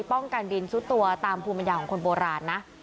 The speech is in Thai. ป้องกันดินซุดตัวทามภูมิใหญ่ของคนโบราณนะ